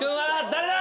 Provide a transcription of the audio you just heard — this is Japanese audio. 誰だ？